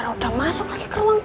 kalau enggak brent